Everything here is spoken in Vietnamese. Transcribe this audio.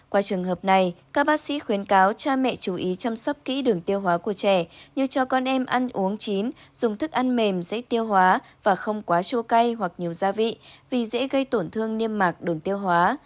qua trường hợp này các bác sĩ khuyến cáo cha mẹ chú ý chăm sóc kỹ đường tiêu hóa của trẻ như cho con em ăn uống chín dùng thức ăn mềm dễ tiêu hóa và không quá chua cay hoặc nhiều gia vị vì dễ gây tổn thương niêm mạc đường tiêu hóa